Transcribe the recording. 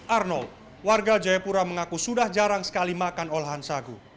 arnold warga jayapura mengaku sudah jarang sekali makan olahan sagu